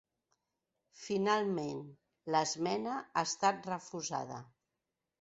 Finalment l’esmena ha estat refusada.